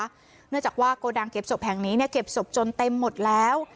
เนื่องจากว่าโกดังเก็บศพแห่งนี้เก็บศพจนเต็มหมดแล้ว